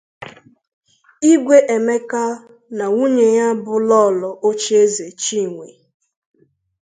Igwe Emeka na nwunye ya bụ lọọlọ Ocheze Chinwe